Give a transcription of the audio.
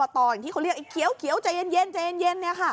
อย่างที่เขาเรียกไอ้เขียวใจเย็นนี่ค่ะ